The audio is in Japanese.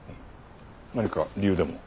何か理由でも？